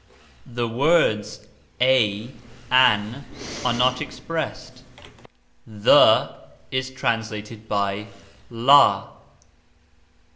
The words "a," "an," are not expressed; "the" is translated by "la".